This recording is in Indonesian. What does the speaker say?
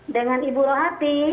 dengan ibu rohati